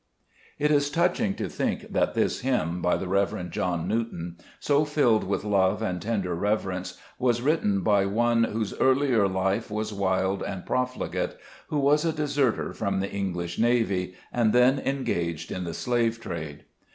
21 Gbe JBest Gburcb D^mns* It is touching to think that this hymn (by the Rev. John Newton), so filled with love and tender reverence, was written by one whose earlier life was wild and prof ligate, who was a deserter from the English navy, and then engaged in the slave trade.